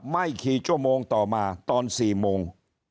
ไม่กี่ชั่วโมงต่อมาตอน๔โมง